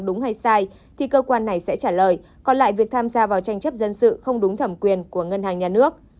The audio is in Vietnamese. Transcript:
đúng hay sai thì cơ quan này sẽ trả lời còn lại việc tham gia vào tranh chấp dân sự không đúng thẩm quyền của ngân hàng nhà nước